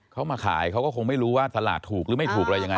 เขามาขายเขาก็คงไม่รู้ว่าตลาดถูกหรือไม่ถูกอะไรยังไง